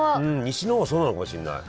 西の方はそうなのかもしれない。